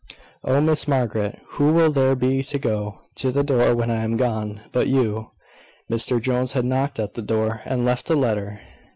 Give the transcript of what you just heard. Oh! Miss Margaret, who will there be to go to the door when I am gone, but you?" Mr Jones had knocked at the door, and left a letter.